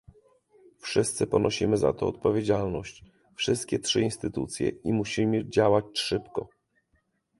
Wszyscy ponosimy za to odpowiedzialność, wszystkie trzy instytucje i musimy działać szybko